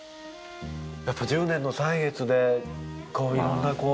やっぱ１０年の歳月でいろんなこう。